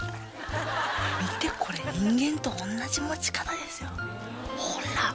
見てこれ人間と同じ持ち方ですよ。ほら！